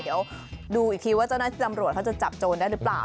เดี๋ยวดูอีกทีว่าเจ้าหน้าที่ตำรวจเขาจะจับโจรได้หรือเปล่า